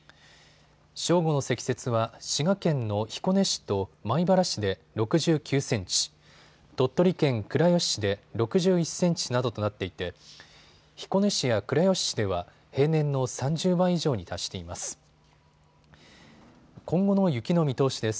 正午の積雪は滋賀県の彦根市と米原市で６９センチ、鳥取県倉吉市で６１センチなどとなっていて彦根市や倉吉市では平年の３０倍以上に達しています。